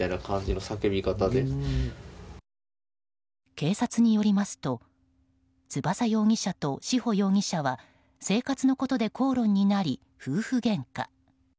警察によりますと翼容疑者と志保容疑者は生活のことで口論になり夫婦げんか。